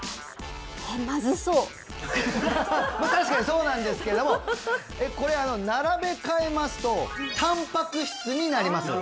まずそう確かにそうなんですけどもこれ並べ替えますとたんぱく質になります